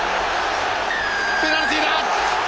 ペナルティーだ！